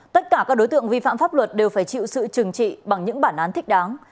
tất cả các đối tượng vi phạm pháp luật đều phải chịu sự trừng trị bằng những bản án thích đáng